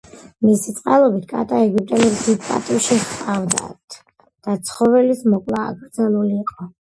მისი წყალობით, კატა ეგვიპტელებს დიდ პატივში ჰყავდათ, ამ ცხოველის მოკვლა აკრძალული იყო.